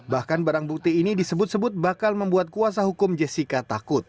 bahkan barang bukti ini disebut sebut bakal membuat kuasa hukum jessica takut